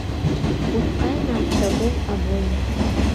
Пускай нам с тобой обоим